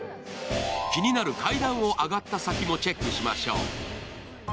気になる階段を上がった先もチェックしましょう。